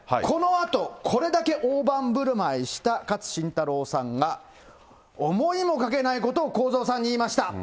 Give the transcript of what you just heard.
このあと、これだけ大盤振る舞いした勝新太郎さんが、思いもかけないことを公造さんに言いました。